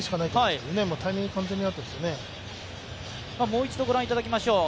もう一度、ご覧いただきましょう。